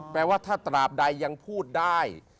แปลว่าถ้าตราบใดยังพูดได้